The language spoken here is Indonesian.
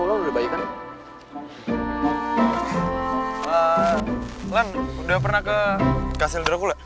lan udah pernah ke kak seldra gue